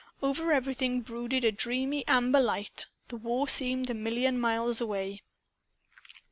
Over everything brooded a dreamy amber light. The war seemed a million miles away.